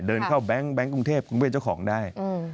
เดินเข้าแบงค์กรุงเทพคุณเวทเจ้าของได้